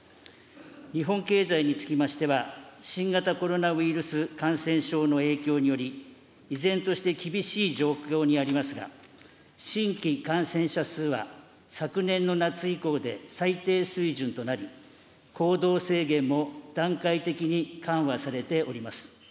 日本経済につきましては、新型コロナウイルス感染症の影響により、依然として厳しい状況にありますが、新規感染者数は昨年の夏以降で最低水準となり、行動制限も段階的に緩和されております。